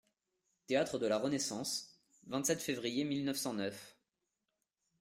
Théâtre de la Renaissance, vingt-sept février mille neuf cent neuf.